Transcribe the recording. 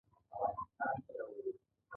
دوی په چټک او غوره ډول کار ترسره کوي